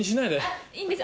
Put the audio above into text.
あっいいんです。